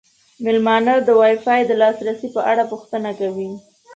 میلمانه د وای فای د لاسرسي په اړه پوښتنه کوي.